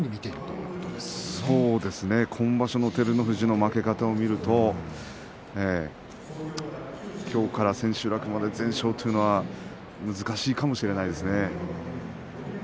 そうですね、今場所の照ノ富士の負け方を見るときょうから千秋楽まで全勝というのは難しいかもしれませんね。